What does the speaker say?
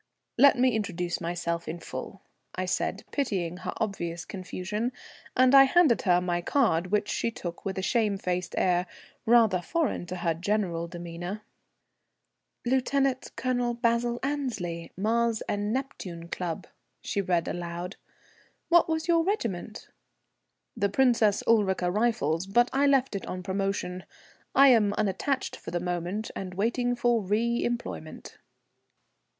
"Let me introduce myself in full," I said, pitying her obvious confusion; and I handed her my card, which she took with a shamefaced air, rather foreign to her general demeanour. "Lieut. Colonel Basil Annesley, Mars and Neptune Club," she read aloud. "What was your regiment?" "The Princess Ulrica Rifles, but I left it on promotion. I am unattached for the moment, and waiting for reëmployment."